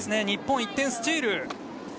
日本、１点スチール！